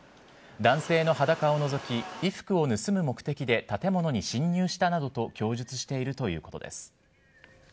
男性の裸をのぞき、衣服を盗む目的で建物に侵入したなどと供述しているということです。